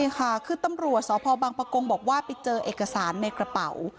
ใช่ค่ะคือตำรวจสพบังปะกงบอกว่าไปเจอเอกสารในกระเป๋า